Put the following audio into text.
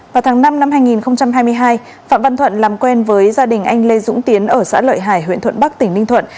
vào tháng năm năm hai nghìn hai mươi hai phạm văn thuận làm quen với gia đình anh lê dũng tiến ở xã lợi hải huyện thuận bắc tỉnh ninh thuận